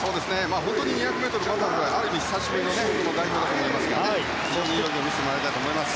本当に２００ｍバタフライある意味久しぶりの代表だと思いますからいい泳ぎを見せてもらいたいです。